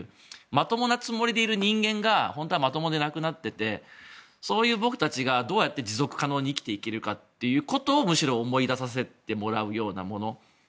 まともなつもりでいる人間が本当はまともでなくなっていてそういう僕たちがどうやって持続可能に生きていけるかということをむしろ思い出させてもらうようなもの。